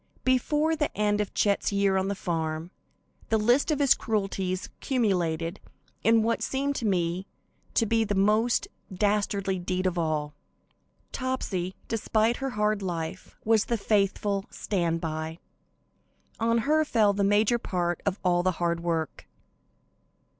Before the end of Chet's year on the farm, the list of his cruelties culminated in what seemed to me to be the most dastardly deed of all. Topsy, despite her hard life, was the faithful "stand by." On her fell the major part of all the hard work.